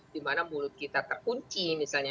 dimana mulut kita terkunci misalnya